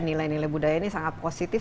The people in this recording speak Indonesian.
nilai nilai budaya ini sangat positif